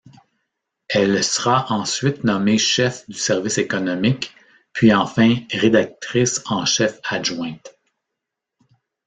Elle sera ensuite nommée chef du service économique puis enfin rédactrice en chef adjointe.